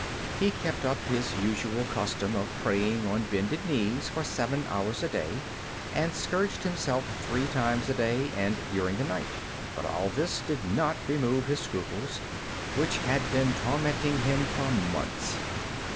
He kept up his usual custom of praying on bended knees for seven hours a day, and scourged himself three times a day and during the night. But all this did not remove his scruples, which had been tormenting him for months.